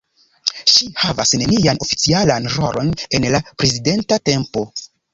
Ŝi havas nenian oficialan rolon en la prezidenta tempo.